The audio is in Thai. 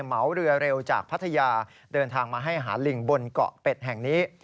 เหมาเรือเร็วจากพัทยาเดินทางมาให้หาลิงบนเกาะเป็ดแห่งนี้